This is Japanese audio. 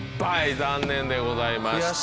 残念でございました。